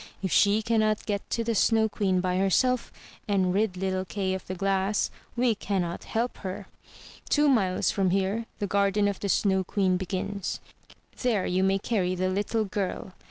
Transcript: If she cannot get to the Snow Queen by herself, and rid little Kay of the glass, we cannot help her. Two miles from here the garden of the Snow Queen begins; there you may carry the little girl.